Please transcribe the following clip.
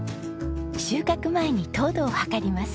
収穫前に糖度を測ります。